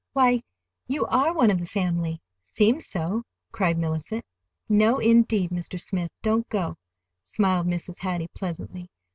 "Why, you are one of the family, 'seems so," cried Mellicent. "No, indeed, Mr. Smith, don't go," smiled Mrs. Hattie pleasantly.